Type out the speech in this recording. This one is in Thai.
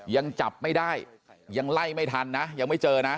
ยังจับไม่ได้ยังไล่ไม่ทันนะยังไม่เจอนะ